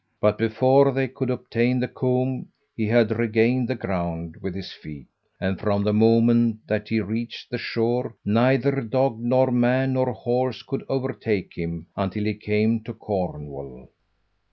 But before they could obtain the comb he had regained the ground with his feet, and from the moment that he reached the shore, neither dog nor man nor horse could overtake him until he came to Cornwall.